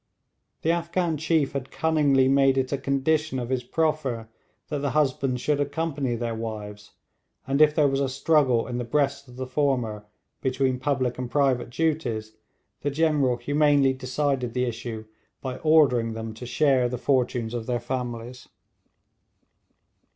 The Afghan chief had cunningly made it a condition of his proffer that the husbands should accompany their wives, and if there was a struggle in the breasts of the former between public and private duties, the General humanely decided the issue by ordering them to share the fortunes of their families.